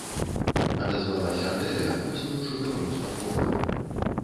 - адазвалася Адэля, высунуўшы галаву з-пад коўдры.